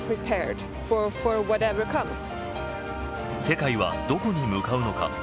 「世界はどこに向かうのか」